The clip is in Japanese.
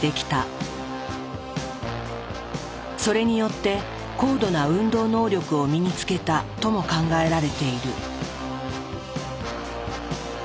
それによって高度な運動能力を身につけたとも考えられている。